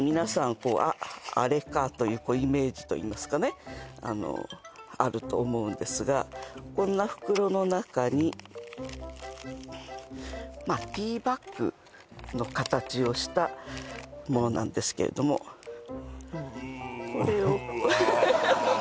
こう「あっあれか」というイメージといいますかねあると思うんですがこんな袋の中にまあティーバッグの形をしたものなんですけれどもこれをうわ